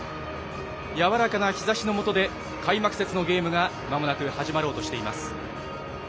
やわらかな日ざしのもとで開幕節のゲームがまもなく始まろうとしています。